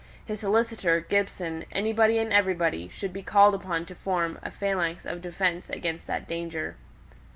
His solicitor, Gibson, anybody and everybody, should be called upon to form a phalanx of defence against that danger.